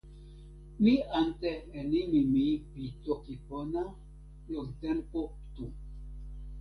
mi ante e nimi mi pi toki pona lon tenpo tu.